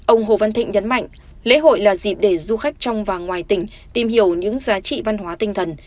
ông hồ văn thịnh nhấn mạnh lễ hội là dịp để du khách trong và ngoài tỉnh tìm hiểu những giá trị văn hóa tinh thần